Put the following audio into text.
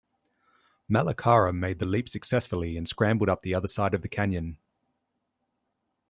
Malacara made the leap successfully and scrambled up the other side of the canyon.